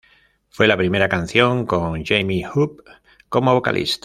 Fue la primera canción con Jamie Hope como vocalista.